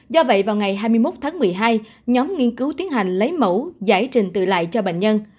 do vậy vào ngày hai mươi một tháng một mươi hai nhóm nghiên cứu tiến hành lấy mẫu giải trình tự lại cho bệnh nhân